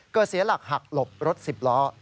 เกิดเสียหลักหักหลบรถสิบล้อ